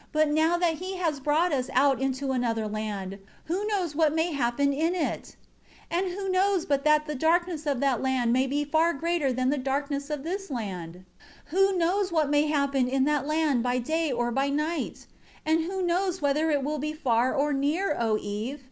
8 But now that He has brought us out into another land, who knows what may happen in it? And who knows but that the darkness of that land may be far greater than the darkness of this land? 9 Who knows what may happen in that land by day or by night? And who knows whether it will be far or near, O Eve?